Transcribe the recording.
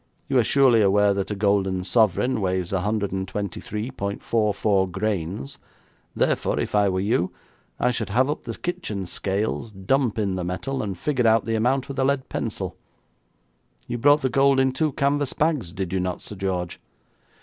You are surely aware that a golden sovereign weighs 123.44 grains, therefore, if I were you, I should have up the kitchen scales, dump in the metal, and figure out the amount with a lead pencil. You brought the gold in two canvas bags, did you not, Sir George?'